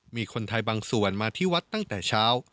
มีคนไทยบางส่วนมาที่วัดตั้งแต่เช้า